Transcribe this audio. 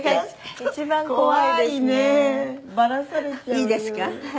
いいですか？